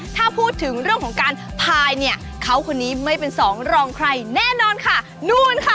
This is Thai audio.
ถ้าพูดถึงเรื่องของการพายเนี่ยเขาคนนี้ไม่เป็นสองรองใครแน่นอนค่ะนู่นค่ะ